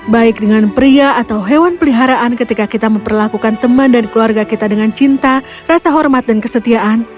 baik dengan pria atau hewan peliharaan ketika kita memperlakukan teman dan keluarga kita dengan cinta rasa hormat dan kesetiaan